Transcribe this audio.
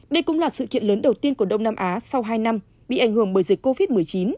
đây cũng là sự kiện lớn đầu tiên của đông nam á sau hai năm bị ảnh hưởng bởi dịch covid một mươi chín